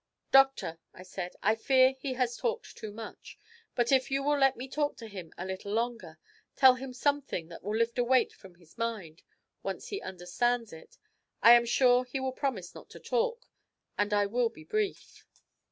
'Doctor,' I said, 'I fear he has talked too much; but if you will let me talk to him a little longer tell him something that will lift a weight from his mind, once he understands it, I am sure he will promise not to talk; and I will be brief.'